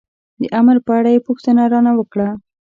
د امر په اړه یې پوښتنه را نه وکړه.